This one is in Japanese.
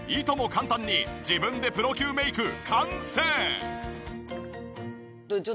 簡単に自分でプロ級メイク完成！